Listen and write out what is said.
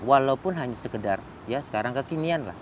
walaupun hanya sekedar ya sekarang kekinian lah